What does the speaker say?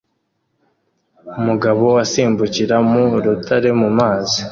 Umugabo asimbukira mu rutare mu mazi